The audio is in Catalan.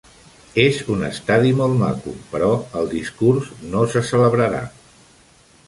És un estadi molt maco però el discurs no se celebrarà.